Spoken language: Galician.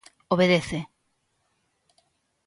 Obedece.